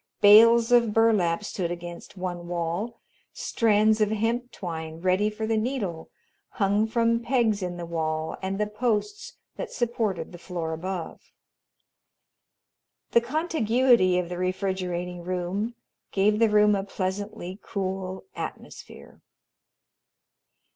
Bales of burlap stood against one wall; strands of hemp twine ready for the needle hung from pegs in the wall and the posts that supported the floor above. The contiguity of the refrigerating room gave the room a pleasantly cool atmosphere.